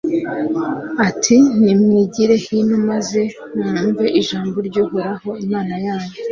ati nimwigire hino maze mwumve ijambo ry'uhoraho, imana yanyu